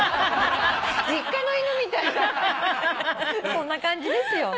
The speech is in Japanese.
そんな感じですよ。